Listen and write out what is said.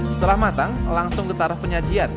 setelah matang langsung ke taraf penyajian